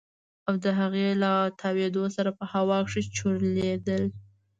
او د هغې له تاوېدو سره په هوا کښې چورلېدل.